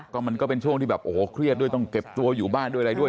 ก็มันก็เป็นช่วงที่แบบโอ้โหเครียดด้วยต้องเก็บตัวอยู่บ้านด้วยอะไรด้วย